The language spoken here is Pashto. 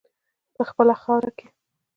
په خپله خاوره کې.